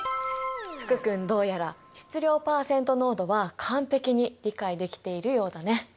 福君どうやら質量パーセント濃度は完璧に理解できているようだね。